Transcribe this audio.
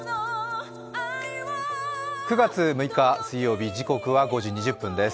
９月６日水曜日時刻は５時２０分です。